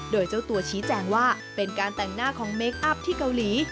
โดยเจ้าตัวชี้แจงว่าเป็นการแต่งหน้าของเมคอัพที่เกาหลี